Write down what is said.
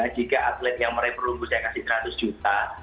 jika atlet yang mereka perlu saya kasih seratus juta